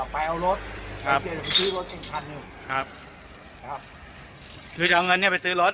ไปเอารถครับตรงที่หนึ่งครับครับสูเอาเงินเนี้ยไปซื้อรถ